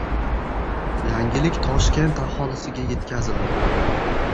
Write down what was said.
Yangilik Toshkent aholisiga yetkazildi!